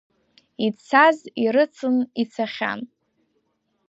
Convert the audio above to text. Ицаз ирыцын ицахьан.